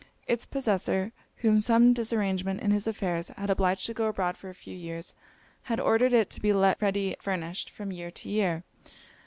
It's possessor, whom some disarrangement in his affairs had obliged to go abroad for a few years, had ordered it to be let ready furnished, from year to year.